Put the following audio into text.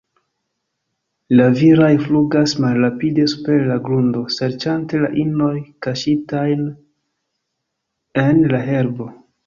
La viraj flugas malrapide super la grundo, serĉante la inojn kaŝitajn en la herbo.